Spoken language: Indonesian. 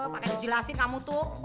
pake dijelasin kamu tuh